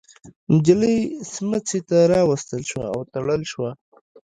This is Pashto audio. نجلۍ سمڅې ته راوستل شوه او تړل شوه.